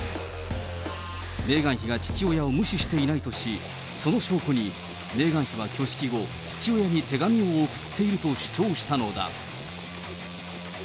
メーガン妃が父親を無視していないとし、その証拠に、メーガン妃は挙式後、父親に手紙を送っていると主張したのだ。